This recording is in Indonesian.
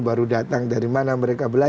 baru datang dari mana mereka